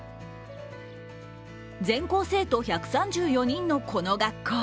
全校生徒１３４人のこの学校。